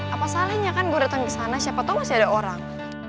apa salahnya kan gue datang ke sana siapa tahu masih ada orang